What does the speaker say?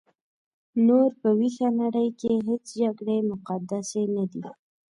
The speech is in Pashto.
نور په ویښه نړۍ کې هیڅ جګړې مقدسې نه دي.